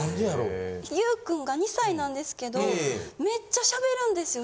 ゆぅくんが２歳なんですけどめっちゃしゃべるんですよ。